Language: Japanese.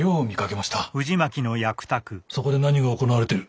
そこで何が行われている？